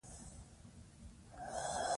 ایوب خان له بندي توبه نه وو خوشحاله.